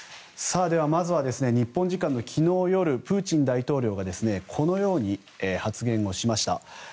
まずは、日本時間の昨日夜プーチン大統領がこのように発言をしました。